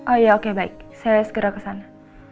oh iya oke baik saya segera kesana